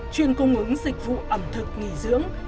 chuyên cung ứng dịch vụ ẩm thực nghỉ dưỡng